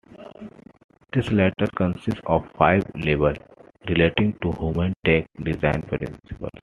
This ladder consists of five levels relating to Human-tech design principles.